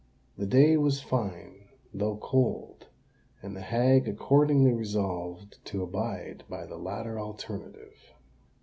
The day was fine, though cold; and the hag accordingly resolved to abide by the latter alternative.